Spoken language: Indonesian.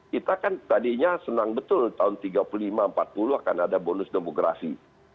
kita kan tadinya senang betul tahun tiga puluh lima empat puluh akan ada bonus demografi